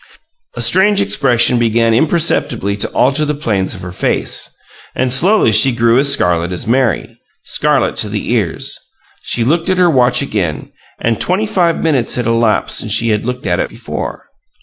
A strange expression began imperceptibly to alter the planes of her face, and slowly she grew as scarlet as Mary scarlet to the ears. She looked at her watch again and twenty five minutes had elapsed since she had looked at it before.